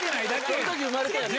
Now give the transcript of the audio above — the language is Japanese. その時生まれたよね。